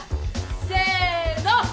せの。